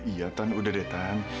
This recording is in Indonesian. iya tan udah deh tan